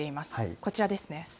こちらですね。